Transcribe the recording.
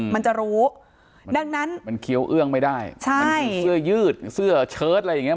มันจะรู้ดังนั้นมันเคี้ยวเอื้องไม่ได้ใช่มันมีเสื้อยืดเสื้อเชิดอะไรอย่างนี้